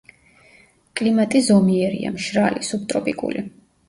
კლიმატი ზომიერია, მშრალი, სუბტროპიკული.